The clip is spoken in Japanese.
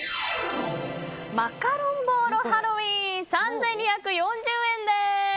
マカロンボーロハロウィン３２４０円です。